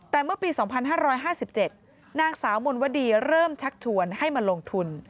แต่เมื่อปี๒๕๕๗นางสาวมนวดีเริ่มชักชวนให้มาลงทุน